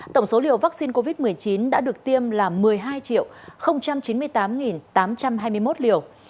tổng số liều vaccine covid một mươi chín đã được tiêm là một mươi hai chín mươi tám tám trăm hai mươi một liều